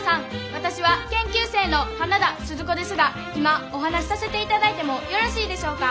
私は研究生の花田鈴子ですが今お話しさせていただいてもよろしいでしょうか。